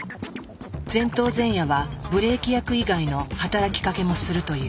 前頭前野はブレーキ役以外の働きかけもするという。